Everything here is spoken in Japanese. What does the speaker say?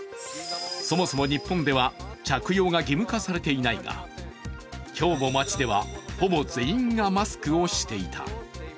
そもそも日本では着用が義務化されていないが、今日も街ではほぼ全員がマスクをしていた。